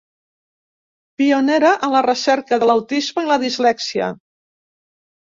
Pionera en la recerca de l'autisme i la dislèxia.